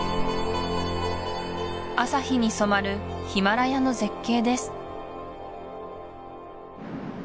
朝日に染まるヒマラヤの絶景です